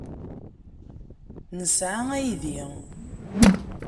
Nesɛa aydi.